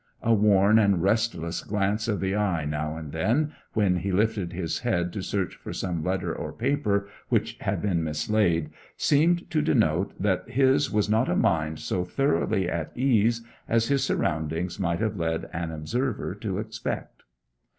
A worn and restless glance of the eye now and then, when he lifted his head to search for some letter or paper which had been mislaid, seemed to denote that his was not a mind so thoroughly at ease as his surroundings might have led an observer to expect.